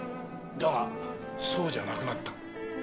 だがそうじゃなくなった。